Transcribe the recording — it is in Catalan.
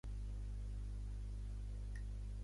Uns correm, uns altres ens rebenten.